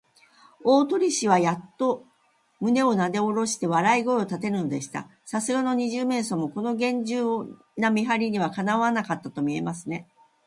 大鳥氏はやっと胸をなでおろして、笑い声をたてるのでした。さすがの二十面相も、このげんじゅうな見はりには、かなわなかったとみえますね。